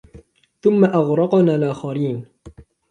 ثُمَّ أَغْرَقْنَا الْآخَرِينَ